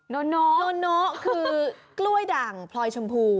โนโนคือกล้วยด่างพลอยชมพู